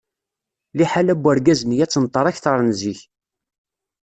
Liḥala n urgaz-nni ad tenṭer akteṛ n zik.